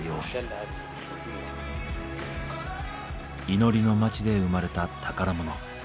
祈りの町で生まれた宝物。